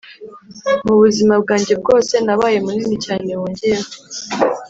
mubuzima bwanjye bwose nabaye munini cyane, wongeyeho